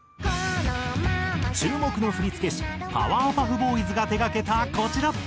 注目の振付師パワーパフボーイズが手がけたこちら。